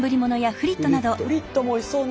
フリットもおいしそうね。